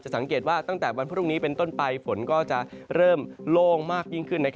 สังเกตว่าตั้งแต่วันพรุ่งนี้เป็นต้นไปฝนก็จะเริ่มโล่งมากยิ่งขึ้น